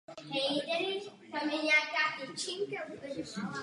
Většina z nich byla umístěny v archivech severního Holandska.